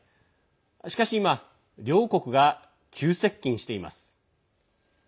しかし今両国が急接近しています。